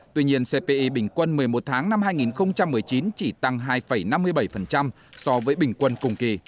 tuy nhiên cpi bình quân một mươi một tháng năm hai nghìn một mươi chín chỉ tăng hai năm mươi bảy so với bình quân cùng kỳ